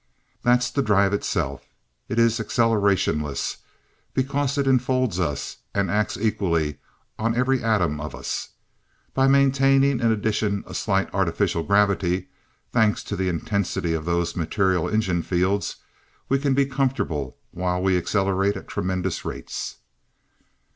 "That's the drive itself. It is accelerationless, because it enfolds us, and acts equally on every atom of us. By maintaining in addition a slight artificial gravity thanks also to the intensity of those material engine fields we can be comfortable, while we accelerate at tremendous rates.